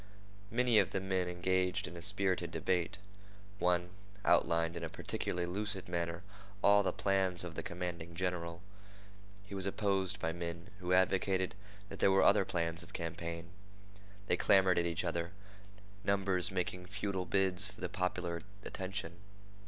Many of the men engaged in a spirited debate. One outlined in a peculiarly lucid manner all the plans of the commanding general. He was opposed by men who advocated that there were other plans of campaign. They clamored at each other, numbers making futile bids for the popular attention.